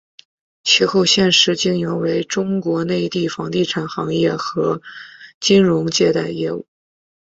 其后现时经营为中国内地房地产行业和金融借贷业务。